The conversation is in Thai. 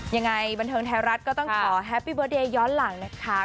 ยังไงบันเทิงไทยรัฐก็ต้องขอแฮปปี้เบิร์ตเดย์ย้อนหลังนะคะ